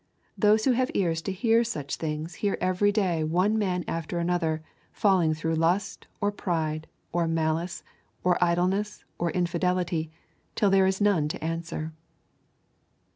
Those who have ears to hear such things hear every day one man after another falling through lust or pride or malice or idleness or infidelity, till there is none to answer.